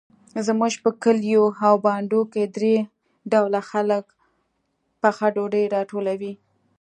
زموږ په کلیو او بانډو کې درې ډوله خلک پخه ډوډۍ راټولوي.